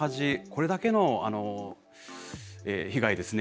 これだけの被害ですね